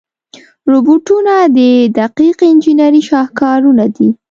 روبوټونه د دقیق انجنیري شاهکارونه دي.